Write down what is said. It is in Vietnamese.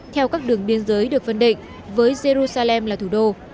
theo các đường biên giới được phân định với jerusalem là thủ đô